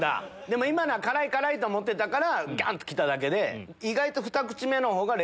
でも今のは辛いと思ってたからガン！と来ただけで意外と。